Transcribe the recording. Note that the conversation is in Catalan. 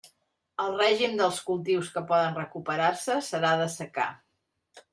El règim dels cultius que poden recuperar-se serà de secà.